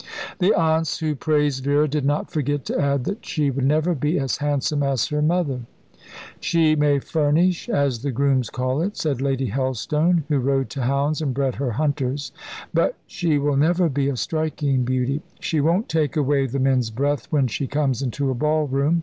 The aunts who praised Vera did not forget to add that she would never be as handsome as her mother. "She may 'furnish,' as the grooms call it," said Lady Helstone, who rode to hounds and bred her hunters; "but she will never be a striking beauty. She won't take away the men's breath when she comes into a ballroom.